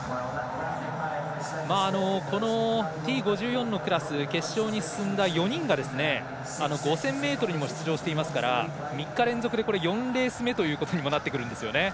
このＴ５４のクラス決勝に進んだ４人が５０００ｍにも出場していますから３日連続で４レース目となってくるんですよね。